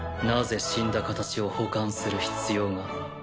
なぜ死んだ形を保管する必要が？